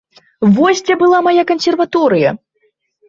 Вось дзе была мая кансерваторыя!